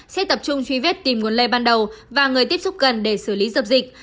sẽ tập trung truy vết tìm nguồn lây ban đầu và người tiếp xúc gần để xử lý dập dịch